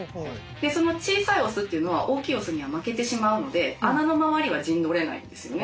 でその小さいオスっていうのは大きいオスには負けてしまうので穴の周りは陣取れないんですよね。